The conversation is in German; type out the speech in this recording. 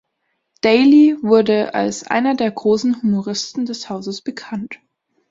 Daly wurde als einer der großen Humoristen des Hauses bekannt.